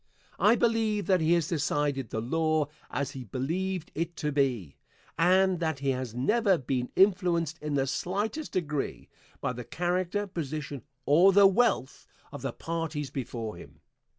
I believe that he has decided the law as he believed it to be, and that he has never been influenced in the slightest degree, by the character, position, or the wealth of the parties before him.